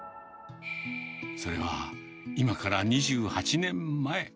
それは、今から２８年前。